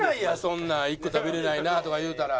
そんな１個食べれないなとか言うたら。